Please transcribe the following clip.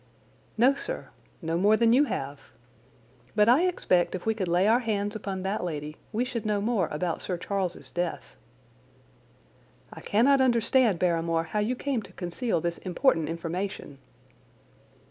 "No, sir. No more than you have. But I expect if we could lay our hands upon that lady we should know more about Sir Charles's death." "I cannot understand, Barrymore, how you came to conceal this important information."